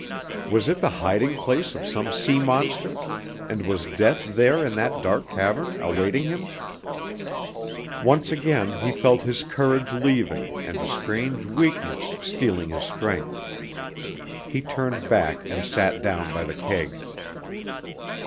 Was it the hiding place of some sea monster, and was death there in that dark cavern awaiting him? Once again he felt his courage leaving and a strange weakness stealing his strength. He turned back and sat down by the keg.